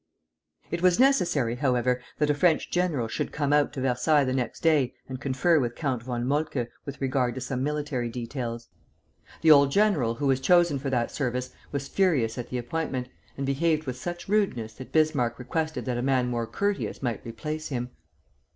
It was necessary, however, that a French general should come out to Versailles the next day and confer with Count von Moltke with regard to some military details. The old general who was chosen for that service was furious at the appointment, and behaved with such rudeness that Bismarck requested that a man more courteous might replace him.